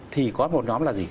thì có một nhóm là gì